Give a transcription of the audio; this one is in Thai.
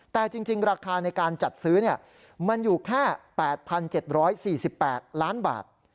แต่จริงราคาในการจัดซื้อมันอยู่แค่๘๗๔๘ล้านบาท